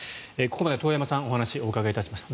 ここまで遠山さんにお話をお伺いしました。